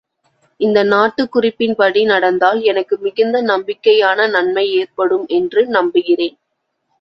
இந்த நாட்குறிப்பின் படி நடந்தால் எனக்கு மிகுந்த நம்பிக்கையான நன்மை ஏற்படும் என்று நம்புகிறேன்.